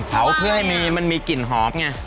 เผาเพื่อให้มีมันมีกลิ่นหอมไง